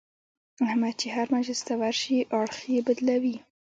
احمد چې هر مجلس ته ورشي اړخ یې بدلوي.